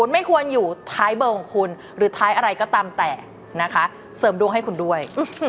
ไม่ควรอยู่ท้ายเบอร์ของคุณหรือท้ายอะไรก็ตามแต่นะคะเสริมดวงให้คุณด้วย